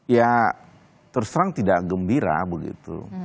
ya terserang tidak gembira begitu